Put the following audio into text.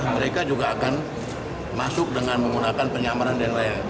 mereka juga akan masuk dengan menggunakan penyamaran dan lain lain